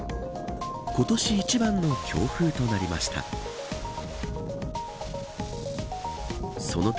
今年一番の強風となりました。